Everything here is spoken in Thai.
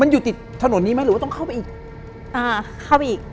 มันอยู่ติดถนนนี้ไหมหรือว่าต้องเข้าไปอีกอ่าเข้าไปอีก